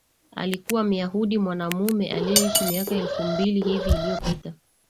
alikuwa Myahudi mwanamume aliyeishi miaka elfu mbili hivi iliyopita